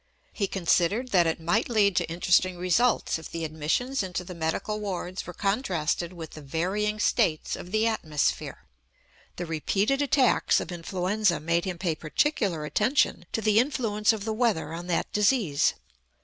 He considered that it might lead to interesting results if the admissions into the medical wards were contrasted with the varying states of the atmosphere. The repeated attacks of influenza made him pay particular attention to the influence of the weather on that disease.